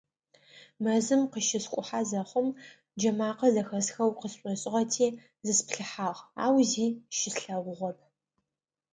Мэзым къыщыскӀухьэ зэхъум джэмакъэ зэхэсхэу къысшӀошӀыгъэти зысплъыхьагъ, ау зи щыслъэгъугъэп.